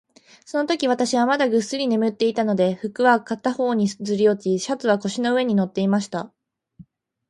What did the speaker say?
そのとき、私はまだぐっすり眠っていたので、服は片方にずり落ち、シャツは腰の上に載っていました。